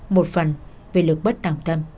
một phần vì lực bất tạm tâm